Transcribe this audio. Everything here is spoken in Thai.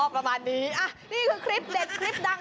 ประมาณนี้นี่คือคลิปเด็ดคลิปดัง